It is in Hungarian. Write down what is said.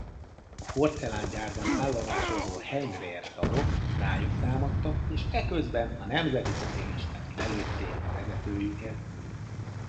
A porcelángyárban állomásozó Heimwehr-tagok rájuk támadtak és eközben a nemzetiszocialisták lelőtték a vezetőjüket.